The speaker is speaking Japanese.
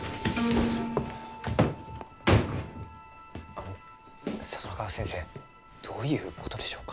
あの里中先生どういうことでしょうか？